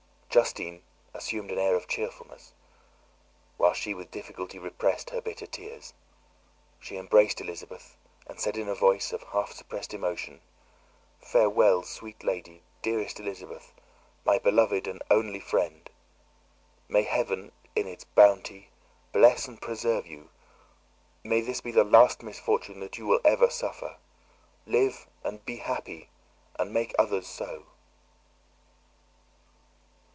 Justine assumed an air of cheerfulness, while she with difficulty repressed her bitter tears. She embraced Elizabeth and said in a voice of half suppressed emotion, "Farewell, sweet lady, dearest Elizabeth, my beloved and only friend; may heaven, in its bounty, bless and preserve you; may this be the last misfortune that you will ever suffer! Live, and be happy, and make others so."